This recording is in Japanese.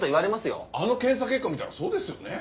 あの検査結果見たらそうですよねえ。